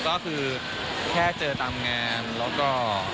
ก็คือแค่เจอตามงานแล้วก็